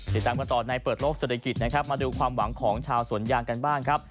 ติดตามกันต่อในเปิดโลกเศรษฐกิจนะครับมาดูความหวังของชาวสวนยางกันบ้างครับ